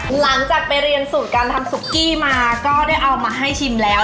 หลังจากไปเรียนสูตรการทำซุกกี้มาก็ได้เอามาให้ชิมแล้ว